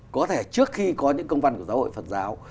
có thể trước khi có những công văn của giáo hội phật giáo